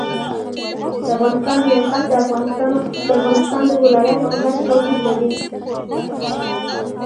د افغانستان د موقعیت د افغانستان د ولایاتو په کچه توپیر لري.